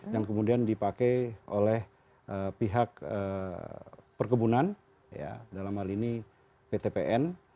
yang kemudian dipakai oleh pihak perkebunan dalam hal ini pt pn